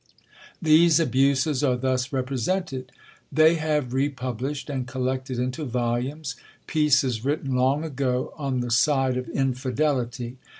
These abuses are thus represented: "They have republished, and collected into volumes, pieces written long ago on the side of infidelity.